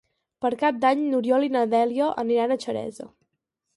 Per Cap d'Any n'Oriol i na Dèlia aniran a Xeresa.